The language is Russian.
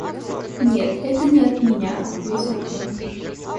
— Нет, это не от меня, — ответил он.